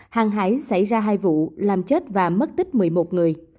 hàng hải xảy ra hai vụ làm chết và mất tích một mươi một người